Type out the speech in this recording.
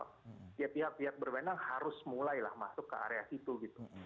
tiap tiap pihak berbanding harus mulailah masuk ke area itu gitu